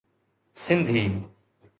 Sindhi